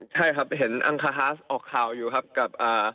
ใช่ครับเห็นอังคาฮาสออกข่าวอยู่ครับกับ